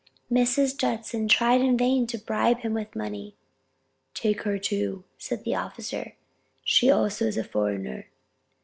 Mrs. Judson tried in vain to bribe him with money. "Take her too," said the officer, "she also is a foreigner."